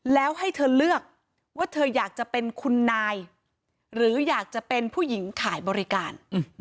แล้วให้เธอเลือกว่าเธออยากจะเป็นคุณนายหรืออยากจะเป็นผู้หญิงขายบริการ